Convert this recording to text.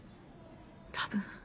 多分。